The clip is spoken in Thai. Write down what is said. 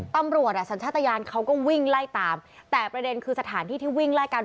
ตำรวจอ่ะสัญชาติยานเขาก็วิ่งไล่ตามแต่ประเด็นคือสถานที่ที่วิ่งไล่กัน